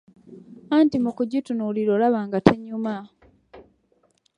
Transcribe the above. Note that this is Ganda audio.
Anti mu kugitunuulira olaba nga tenyuma.